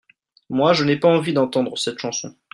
Moi, je n'ai pas envie d'entendre cette chanson.